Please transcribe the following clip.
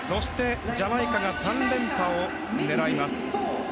ジャマイカが３連覇を狙います。